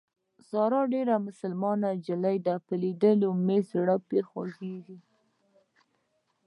ساره ډېره مسلمان نجلۍ ده په لیدو مې یې زړه خوږېږي.